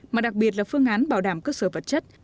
mà đặc biệt là phương án bảo đảm cơ sở vật chất